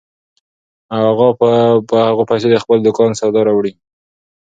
اغا به په هغو پیسو د خپل دوکان سودا راوړي.